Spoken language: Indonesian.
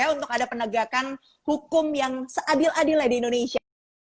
untuk ada penegakan hukum yang seadil adilnya di indonesia